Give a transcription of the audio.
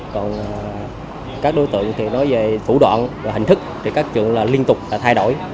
còn các đối tượng thì nói về thủ đoạn và hình thức thì các trường là liên tục thay đổi